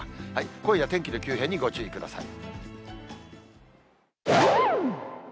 今夜、天気の急変にご注意ください。